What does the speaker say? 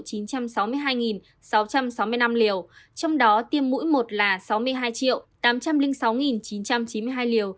trong đó tiêm mũi một là sáu mươi hai tám trăm linh sáu chín trăm chín mươi hai liều